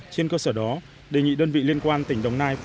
trên cơ sở đó đề nghị đơn vị liên quan